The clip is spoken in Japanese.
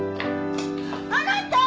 あなた！